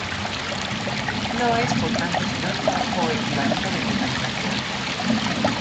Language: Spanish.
No es, por tanto, sinónimo o equivalente de contaminación.